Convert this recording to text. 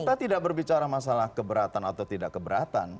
kita tidak berbicara masalah keberatan atau tidak keberatan